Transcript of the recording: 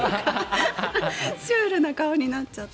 シュールな顔になっちゃって。